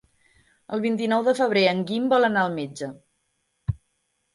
El vint-i-nou de febrer en Guim vol anar al metge.